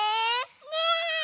ねえ。